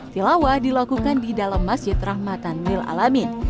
tilawah dilakukan di dalam masjid rahmatan mil alamin